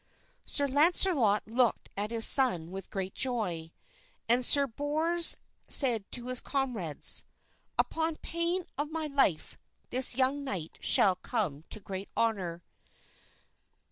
Sir Launcelot looked at his son with great joy, and Sir Bors said to his comrades, "Upon pain of my life, this young knight shall come to great honor."